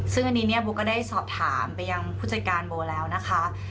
ซึ่งอันนี้เนี่ยโบก็ได้สอบถามไปยังผู้จัดการโบแล้วนะคะ